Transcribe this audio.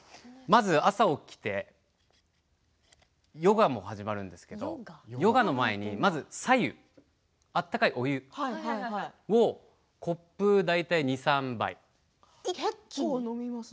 まず朝起きてヨガも始まるんですがヨガの前に、まず、さ湯温かいお湯をコップ大体２、３杯。